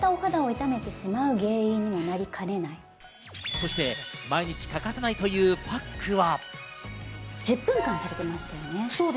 そして毎日欠かさないというパックは。